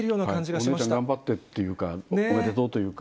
お姉ちゃん頑張ってというか、おめでとうというか。